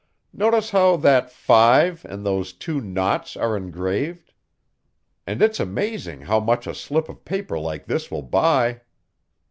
Notice how that five and those two naughts are engraved? And it's amazing how much a slip of paper like this will buy."